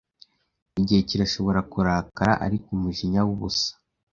Igihe kirashobora kurakara, ariko umujinya wubusa